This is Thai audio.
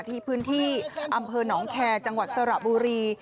ที่พื้นที่อำเภอหนองแคร์จังหวัดสระบุรี